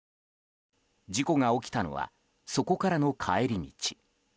事故が起きたのはそこからの帰り道。